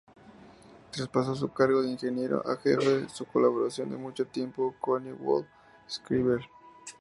Traspasó su cargo de ingeniero jefe a su colaborador de mucho tiempo, Collingwood Schreiber.